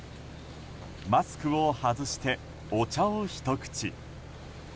マスクを外して、お茶をひと口。